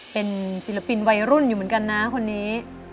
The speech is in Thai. เป็นศิลปินวัยรุ่นอยู่เหมือนกันนะคนนี้